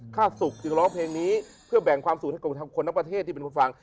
ฆาตสุขจึงร้องเพลงนี้เพื่อแบ่งความสุขให้กับคนทั้งประเทศที่เป็นคนฟัง